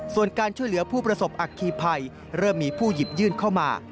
ส่วนการช่วยเหลือผู้ประสบอัคคีภัยเริ่มมีผู้หยิบยื่นเข้ามา